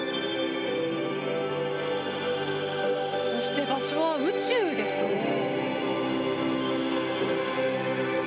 そして、場所は宇宙ですね。